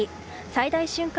最大瞬間